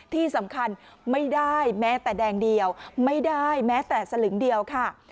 ที่สำคัญไม่ได้แม้แต่แดงเดียวไม่ได้แม้แต่สลึงเดียวค่ะ